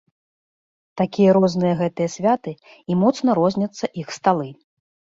Такія розныя гэтыя святы, і моцна розняцца іх сталы.